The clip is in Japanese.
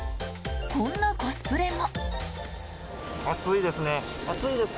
こんなコスプレも。